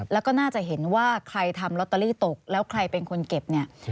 แล้วก็น่าจะเห็นว่าใครทำลอตเตอรี่ตกแล้วใครเป็นคนเก็บเนี่ย